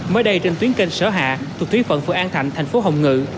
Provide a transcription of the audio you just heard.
mới đây trên tuyến kênh sở hạ thuộc thuyết phận phượng an thạnh thành phố hồng ngự